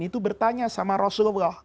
itu bertanya sama rasulullah